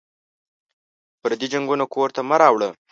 پردي جنګونه کور ته مه راوړه